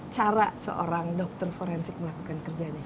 cara seorang dokter forensik melakukan kerjanya